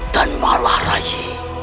dan malah rai